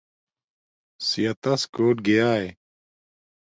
صحت تس کوٹ گیاݵݵ